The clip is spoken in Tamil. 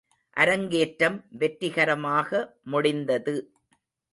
அரங்கேற்றம் வெற்றிகரமாக முடிந்தது.